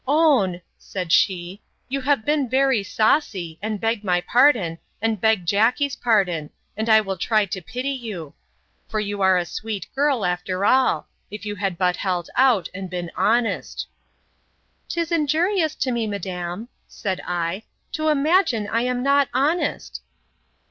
Own, said she, you have been very saucy; and beg my pardon, and beg Jackey's pardon, and I will try to pity you. For you are a sweet girl, after all; if you had but held out, and been honest. 'Tis injurious to me, madam, said I, to imagine I am not honest!